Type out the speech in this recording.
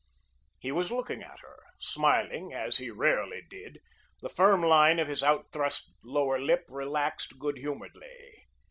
He was looking at her, smiling as he rarely did, the firm line of his out thrust lower lip relaxed good humouredly.